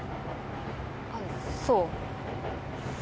あっそう。